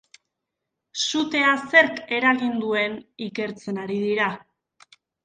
Sutea zerk eragin duen ikertzen ari dira.